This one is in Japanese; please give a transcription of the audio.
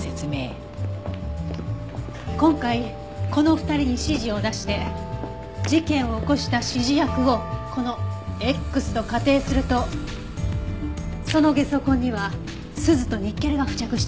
今回この２人に指示を出して事件を起こした指示役をこのＸと仮定するとそのゲソ痕にはスズとニッケルが付着してるはずです。